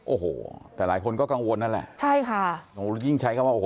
โอ้โหแต่หลายคนก็กังวลนั่นแหละใช่ค่ะยิ่งใช้คำว่าโอ้โห